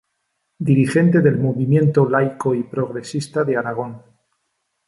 Dirigente del movimiento laico y progresista de Aragón.